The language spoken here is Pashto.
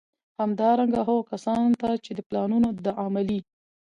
همدارنګه، هغو کسانو ته چي د پلانونو د عملي